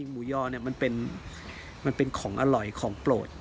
หมูยอเนี่ยมันเป็นของอร่อยของโปรด